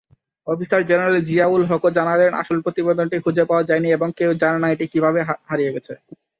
Officer general জিয়া-উল-হকও জানালেন আসল প্রতিবেদনটি খুঁজে পাওয়া যায়নি এবং কেউ জানে না কিভাবে এটি হারিয়ে গেছে।